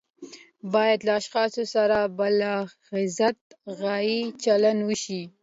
باید له اشخاصو سره د بالذات غایې چلند وشي.